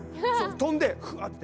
飛んでファって。